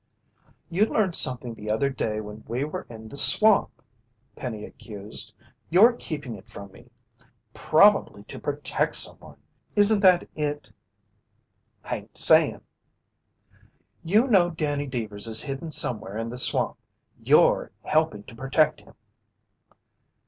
"You learned something the other day when we were in the swamp!" Penny accused. "You're keeping it from me probably to protect someone! Isn't that it?" "Hain't saying." "You know Danny Deevers is hidden somewhere in the swamp! You're helping to protect him!"